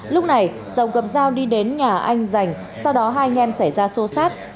lúc này giàu gập dao đi đến nhà anh giành sau đó hai anh em xảy ra xô xát